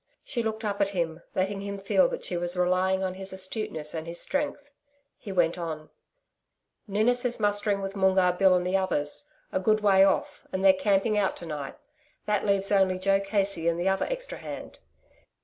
She looked up at him, letting him feel that she was relying on his astuteness and his strength. He went on: 'Ninnis is mustering with Moongarr Bill and the others, a good way off, and they're camping out to night.... That leaves only Joe Casey and the other extra hand.